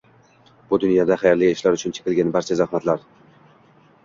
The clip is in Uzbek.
Bu dunyoda xayrli ishlar uchun chekilgan barcha zahmatlar